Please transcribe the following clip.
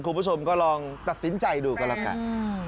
คุณผู้ชมก็ลองตัดสินใจดูกันแล้วกัน